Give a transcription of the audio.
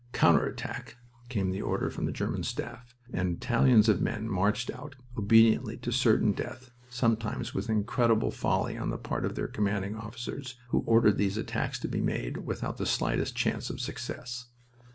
"Counter attack!" came the order from the German staff, and battalions of men marched out obediently to certain death, sometimes with incredible folly on the part of their commanding officers, who ordered these attacks to be made without the slightest chance of success.